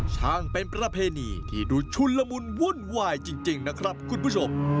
ช่างเป็นประเพณีที่ดูชุนละมุนวุ่นวายจริงนะครับคุณผู้ชม